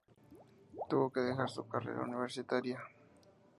Tuvo que dejar su carrera universitaria.